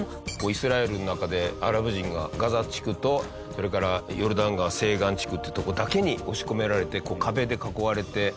イスラエルの中でアラブ人がガザ地区とそれからヨルダン川西岸地区っていうとこだけに押し込められてこう壁で囲われて。